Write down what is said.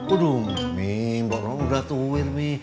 aduh mi mbok rono udah tuwir mi